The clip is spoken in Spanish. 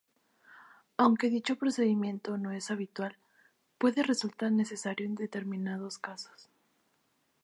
Aunque dicho procedimiento no es habitual, puede resultar necesario en determinados casos.